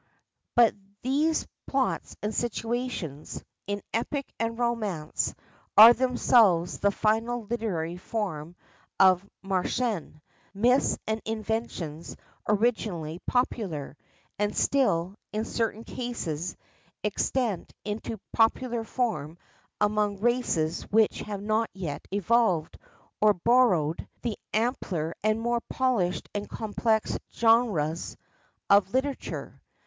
But these plots and situations, in Epic and Romance, are themselves the final literary form of märchen, myths and inventions originally popular, and still, in certain cases, extant in popular form among races which have not yet evolved, or borrowed, the ampler and more polished and complex genres of literature.